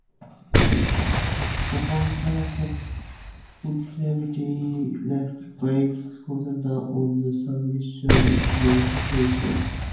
The founder tentatively left "Weird Concepts" on the submission documentation.